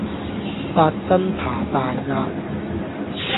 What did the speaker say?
八珍扒大鴨